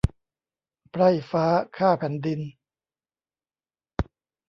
ไพร่ฟ้าข้าแผ่นดิน